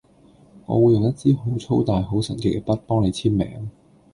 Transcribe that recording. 我會用一支好粗大好神奇嘅筆幫你簽名